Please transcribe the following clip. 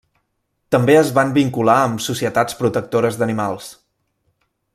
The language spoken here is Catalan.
També es van vincular amb societats protectores d'animals.